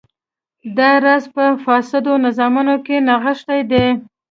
دا راز په فاسدو نظامونو کې نغښتی دی.